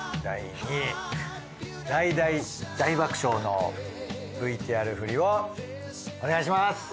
大大大爆笑のＶＴＲふりをお願いします！